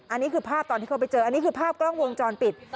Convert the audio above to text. อันนี้คือภาพตอนที่เขาไปเจออันนี้คือภาพกล้องวงจรปิด